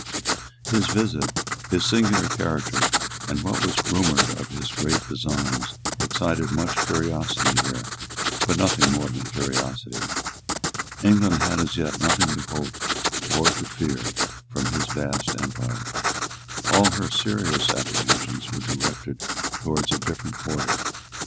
His visit, his singular character, and what was rumoured of his great designs, excited much curiosity here, but nothing more than curiosity. England had as yet nothing to hope or to fear from his vast empire. All her serious apprehensions were directed towards a different quarter.